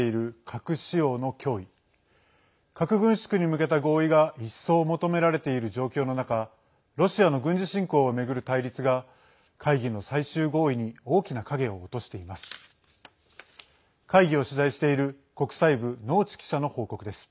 核軍縮に向けた合意が一層求められている状況の中ロシアの軍事侵攻を巡る対立が会議の最終合意に大きな影を落としています。